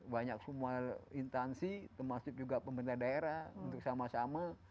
banyak semua intansi termasuk juga pemerintah daerah untuk sama sama